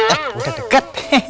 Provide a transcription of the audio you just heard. eh udah deket